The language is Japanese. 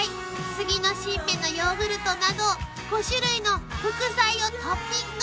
杉の新芽のヨーグルトなど５種類の副菜をトッピング］